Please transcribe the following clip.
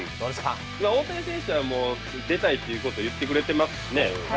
大谷選手は出たいということを言ってくれていますしね。